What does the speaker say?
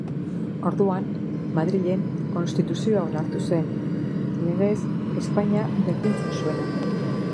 Orduan, Madrilen konstituzioa onartu zen, legez Espainia berdintzen zuena.